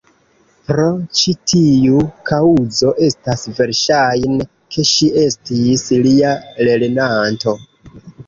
Pro ĉi tiu kaŭzo estas verŝajne, ke ŝi estis lia lernanto.